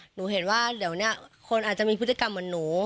หนูเห็นว่าเดี๋ยวนี้คนอาจจะมีพฤติกรรมเหมือนหนู